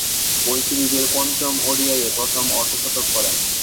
ঐ সিরিজের পঞ্চম ওডিআইয়ে প্রথম অর্ধ-শতক করেন।